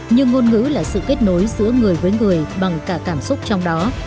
nhưng ngôn ngữ là sự kết nối giữa người với người bằng cả cảm xúc trong đó